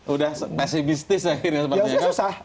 udah pesimistis akhirnya